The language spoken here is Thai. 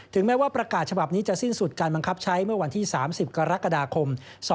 แม้ว่าประกาศฉบับนี้จะสิ้นสุดการบังคับใช้เมื่อวันที่๓๐กรกฎาคม๒๕๖๒